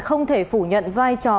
không thể phủ nhận vai trò